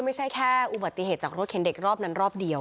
ไม่ใช่แค่อุบัติเหตุจากรถเข็นเด็กรอบนั้นรอบเดียว